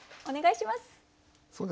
お願いします。